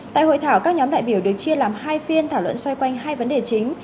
tại hội thảo các nhóm đại biểu được chia làm hai phiên thảo luận xoay quanh hai vấn đề chính